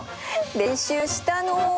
練習したの！